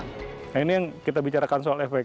nah ini yang kita bicarakan soal efek